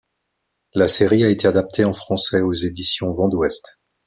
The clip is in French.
La série a été adaptée en français aux éditions Vents d'Ouest.